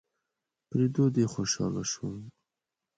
په ليدو دې خوشحاله شوم